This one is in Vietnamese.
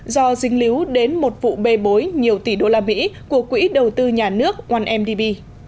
do dính líu đến một vụ bê bối nhiều tỷ đô la mỹ của quỹ đầu tư nhà nước on mdb